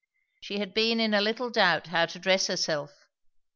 She had been in a little doubt how to dress herself.